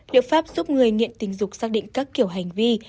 liệu pháp giúp người nghiện tình dục xác định các kiểu hành vi